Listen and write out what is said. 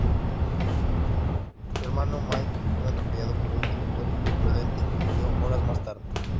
Su hermano Malik fue atropellado por un conductor imprudente y murió horas más tarde.